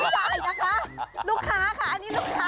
ไปค่ะลูกค้าค่ะอันนี้ลูกค้า